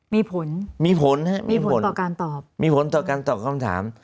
มีผลมีผลฮะมีผลต่อการตอบมีผลต่อการตอบคำถาม